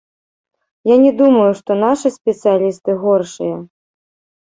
Я не думаю, што нашы спецыялісты горшыя.